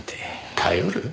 頼る？